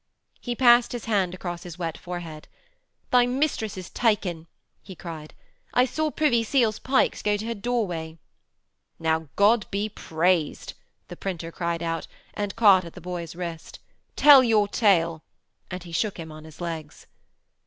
He passed his hand across his wet forehead. 'Thy mistress is taken,' he cried. 'I saw Privy Seal's pikes go to her doorway.' 'Now God be praised,' the printer cried out, and caught at the boy's wrist. 'Tell your tale!' and he shook him on his legs.